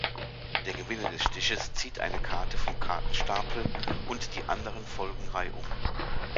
Der Gewinner des Stiches zieht eine Karte vom Kartenstapel und die anderen folgen reihum.